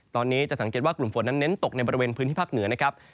ตอนนี้จะสังเกตว่ากลุ่มฝนนั้นเน้นตกในบริเวณพื้นที่ภาคเหนือนะครับ